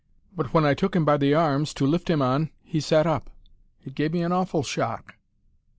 But when I took him by the arms, to lift him on, he sat up. It gave me an awful shock.